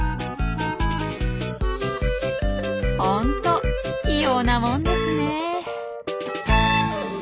ホント器用なもんですね。